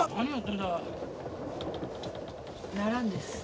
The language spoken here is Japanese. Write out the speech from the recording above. ならんです。